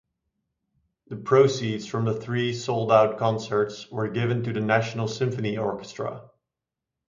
The proceeds from the three sold-out concerts were given to the National Symphony Orchestra.